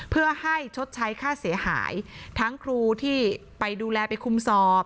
เพื่อให้ชดใช้ค่าเสียหายทั้งครูที่ไปดูแลไปคุมสอบ